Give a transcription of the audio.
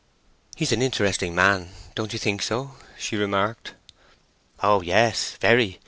"He's an interesting man—don't you think so?" she remarked. "O yes, very.